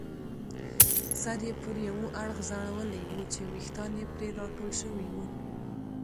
سر یې پر یوه اړخ ځړولی وو چې ویښتان یې پرې راټول شوي وو.